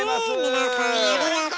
皆さんありがとう。